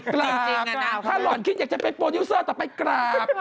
ถ้าหล่อนคิดอยากจะไปโปรดิวเซอร์ต่อไปกราบ